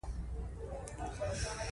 ایوب خان پوښتنه کوي.